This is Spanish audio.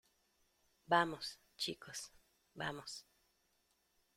vamos, chicos. vamos .